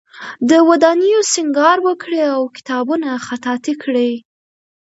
د ودانیو سینګار وکړي او کتابونه خطاطی کړي.